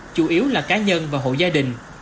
chủ yếu là cá nhân và hộ gia đình